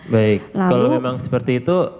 baik kalau memang seperti itu